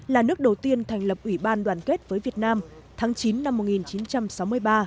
là nước đầu tiên thành lập ủy ban đoàn kết với việt nam tháng chín năm một nghìn chín trăm sáu mươi ba